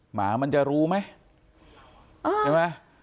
หมามันจะรู้ไหม